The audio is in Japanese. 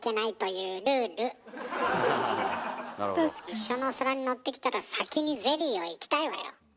一緒のお皿にのってきたら先にゼリーをいきたいわよ。